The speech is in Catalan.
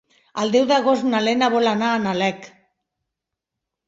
El deu d'agost na Lena vol anar a Nalec.